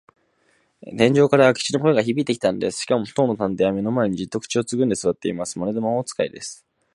天井から明智の声がひびいてきたのです。しかも、当の探偵は目の前に、じっと口をつぐんですわっています。まるで魔法使いです。